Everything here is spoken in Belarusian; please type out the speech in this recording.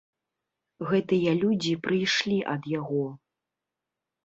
Гэтыя людзі прыйшлі ад яго.